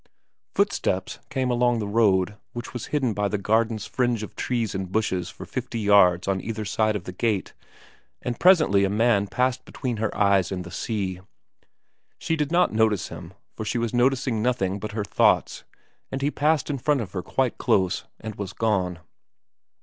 Footsteps came along the road, which was hidden by the garden's fringe of trees and bushes for fifty yards on either side of the gate, and presently a man passed between her eyes and the sea. She did not notice him, for she was noticing nothing but her thoughts, and he passed in front of her quite close, and was gone.